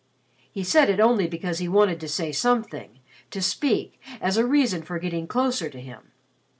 He said it only because he wanted to say something, to speak, as a reason for getting closer to him.